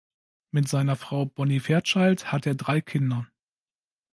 Mit seiner Frau Bonnie Fairchild hat er drei Kinder.